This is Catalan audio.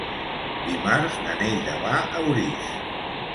Dimarts na Neida va a Orís.